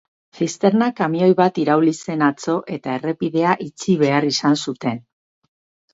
Zisterna-kamioi bat irauli zen atzo eta errepidea itxi behar izan zuten.